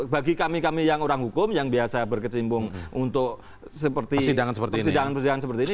bagi kami kami yang orang hukum yang biasa berkecimpung untuk seperti persidangan persidangan seperti ini